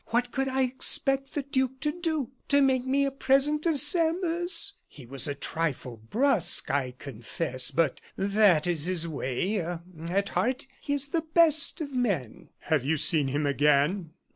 What could I expect the duke to do? To make me a present of Sairmeuse? He was a trifle brusque, I confess, but that is his way; at heart he is the best of men." "Have you seen him again?"